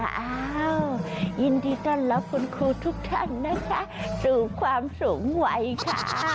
ยินดีต้อนรับคุณครูทุกท่านนะคะสู่ความสูงวัยค่ะ